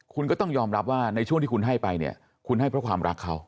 คุณก็ต้องยอมรับว่าในช่วงที่คุณให้ไปเนี่ยคุณให้เพราะความรักเขา